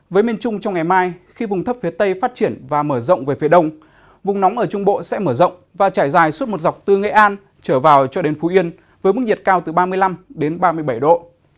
với miền trung trong ngày mai khi vùng thấp phía tây phát triển và mở rộng về phía đông vùng nóng ở trung bộ sẽ mở rộng và trải dài suốt một dọc từ nghệ an trở vào cho đến phú yên với mức nhiệt cao từ ba mươi năm ba mươi bảy độ